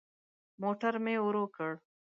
موټر مي ورو کړ .